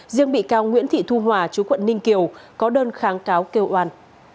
riêng bị cáo nguyễn thị thu hòa chú quận ninh kiều có đơn kháng cáo kêu oan